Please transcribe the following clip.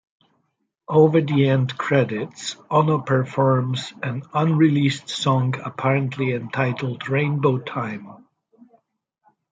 Over the end credits, Ono performs an unreleased song apparently entitled "Rainbow Time".